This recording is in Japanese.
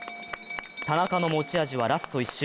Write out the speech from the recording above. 田中の持ち味は、ラスト１周。